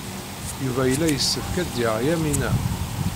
Yuba yella yessefk ad yaɣ Yamina.